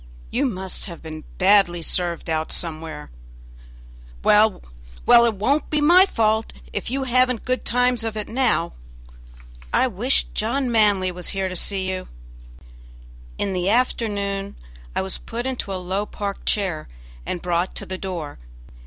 you must have been badly served out somewhere; well, well, it won't be my fault if you haven't good times of it now. I wish John Manly was here to see you." In the afternoon I was put into a low park chair and brought to the door.